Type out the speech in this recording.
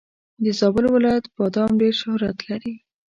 د زابل ولایت بادم ډېر شهرت لري.